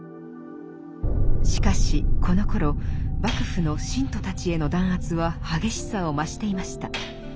しかしこのころ幕府の信徒たちへの弾圧は激しさを増していました。